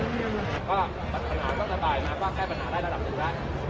เพราะว่ามันปัญหาก็สบายนะก็แค่ปัญหาได้ระดับหนึ่งแล้ว